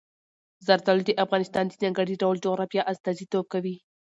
زردالو د افغانستان د ځانګړي ډول جغرافیه استازیتوب کوي.